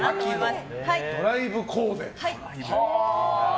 家族で秋のドライブコーデ。